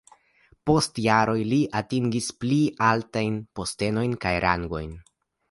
Post jaroj li atingis pli altajn postenojn kaj rangojn.